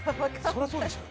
そりゃそうでしょ